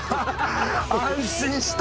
安心した。